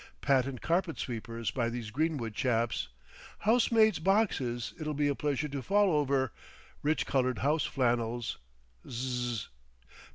Patent carpet sweepers by these greenwood chaps, housemaid's boxes it'll be a pleasure to fall over—rich coloured house flannels. Zzzz.